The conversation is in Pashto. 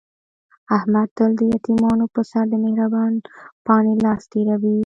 احمد تل د یتیمانو په سر د مهر بانۍ لاس تېروي.